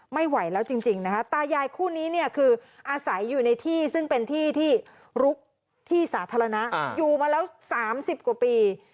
ไม่ไหวแล้วจริงนะคะตายายคู่นี้เนี่ยคืออาศัยอยู่ในที่ซึ่งเป็นที่ที่ลุกที่สาธารณะอยู่มาแล้ว๓๐กว่าปี